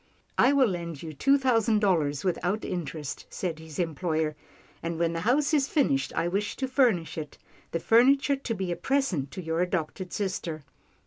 " I will lend you two thousand dollars without interest," said his employer, " and when the house is finished, I wish to furnish it — the furniture to be a present to your adopted sister."